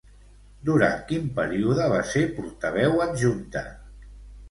Durant quin període va ser portaveu adjunta?